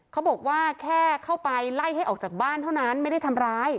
เขาบอกว่าแค่เข้าไปไล่ให้ออกจากบ้านเท่านั้นไม่ได้ทำร้าย